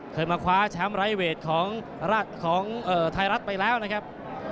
เคยมาคว้าแชมป์ไร้เวทของไทยรัฐไปแล้วนะครับ